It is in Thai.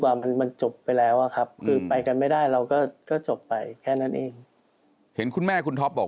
อันนี้เป็นเหตุผลที่ขอ